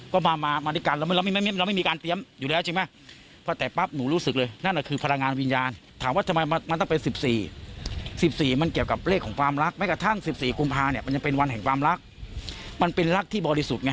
ก็มามาด้วยกันแล้วเราไม่มีการเตรียมอยู่แล้วใช่ไหมพอแต่ปั๊บหนูรู้สึกเลยนั่นน่ะคือพลังงานวิญญาณถามว่าทำไมมันต้องเป็น๑๔๑๔มันเกี่ยวกับเลขของความรักแม้กระทั่ง๑๔กุมภาเนี่ยมันยังเป็นวันแห่งความรักมันเป็นรักที่บริสุทธิ์ไง